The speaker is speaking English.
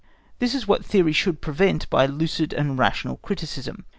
This is what theory should prevent by lucid and rational criticism.